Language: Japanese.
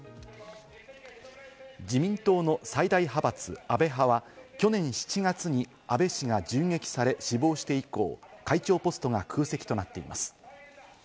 自民党の最大派閥・安倍派は去年７月に安倍氏が銃撃され死亡して以降、会長ポストが空席となっています。